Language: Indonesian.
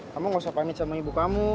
kamu gak usah panik sama ibu kamu